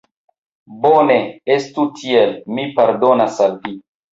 Bone, estu tiel, mi pardonas al vi.